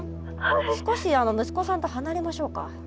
少し息子さんと離れましょうか。